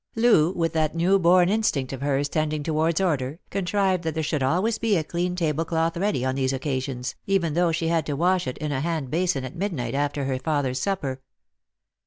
Loo, with that new born instinct of hers tending towards order, contrived that there should always be a clean tablecloth ready on these occasions, even though she had to wash it in a handbasin at midnight after her father's supper.